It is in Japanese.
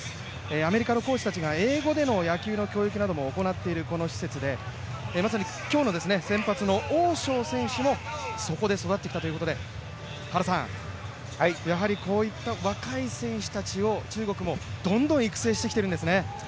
アメリカのコーチが英語での野球の教育を行っているこの施設でまさに今日の先発のオウ・ショウ選手もそこで育ってきたということでやはりこういった若い選手たちを中国もどんどん育成してきているんですね。